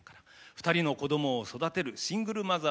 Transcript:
「２人の子どもを育てるシングルマザーです。